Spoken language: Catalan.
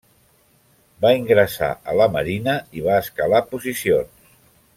Va ingressar a la marina i va escalar posicions.